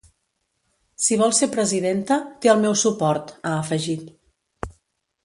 Si vol ser presidenta, té el meu suport, ha afegit.